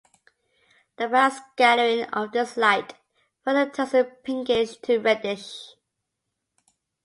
The backscattering of this light further turns it pinkish to reddish.